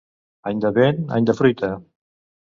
Any de vent, any de fruita.